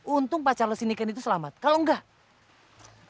untung pacar lo si niken itu selamat kalau enggak